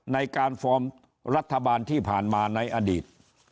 ในการฟอร์มรัฐบาลที่ผ่านมาในอดีต